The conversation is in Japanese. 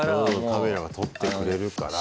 カメラが撮ってくれるから。